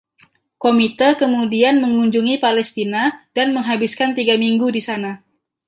Komite kemudian mengunjungi Palestina dan menghabiskan tiga minggu di sana.